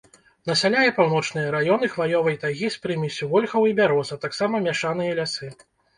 Насяляе паўночныя раёны хваёвай тайгі з прымессю вольхаў і бяроз, а таксама мяшаныя лясы.